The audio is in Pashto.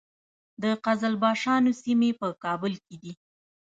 د قزلباشانو سیمې په کابل کې دي